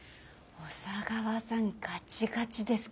小佐川さんガチガチですけど。